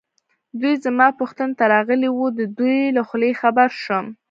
دوی زما پوښتنې ته راغلي وو، د دوی له خولې خبر شوم.